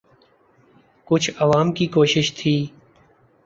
کچھ عوام کی کوشش تھی۔